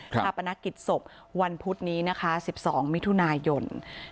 ภาพนักกิจศพวันพุธนี้นะคะ๑๒มิถุนายน